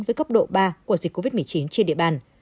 với cấp độ ba của dịch covid một mươi chín trên địa bàn